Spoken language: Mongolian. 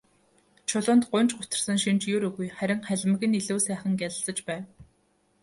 Чулуунд гуньж гутарсан шинж ер үгүй, харин халимаг нь илүү сайхан гялалзаж байв.